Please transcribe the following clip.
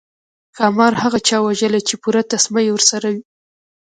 ښامار هغه چا وژلی چې پوره تسمه یې ورسره وي.